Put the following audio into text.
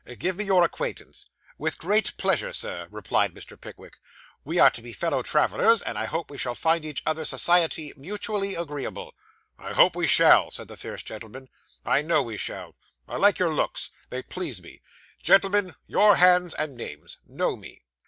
Give me your acquaintance.' 'With great pleasure, Sir,' replied Mr. Pickwick. 'We are to be fellow travellers, and I hope we shall find each other's society mutually agreeable.' 'I hope we shall,' said the fierce gentleman. 'I know we shall. I like your looks; they please me. Gentlemen, your hands and names. Know me.